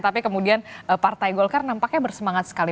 tapi kemudian partai golkar nampaknya bersemangat sekali